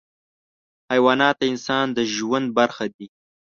حیوانات د انسان د ژوند برخه دي.